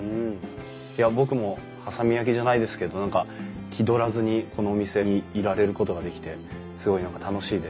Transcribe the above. いや僕も波佐見焼じゃないですけど何か気取らずにこのお店にいられることができてすごい何か楽しいです。